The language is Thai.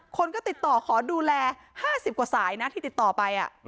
คนก็ติดต่อขอดูแล๕๐กว่าสายนะที่ติดต่อไป